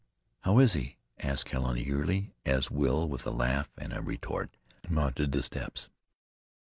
"How is he?" asked Helen eagerly, as Will with a laugh and a retort mounted the steps.